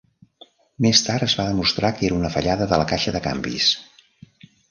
Més tard es va demostrar que era una fallada de la caixa de canvis.